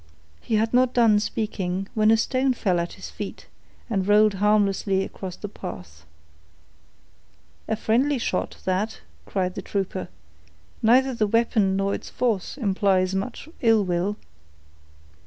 He had not done speaking, when a stone fell at his feet, and rolled harmlessly across the path. "A friendly shot, that," cried the trooper. "Neither the weapon, nor its force, implies much ill will."